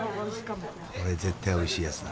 これ絶対おいしいやつだ。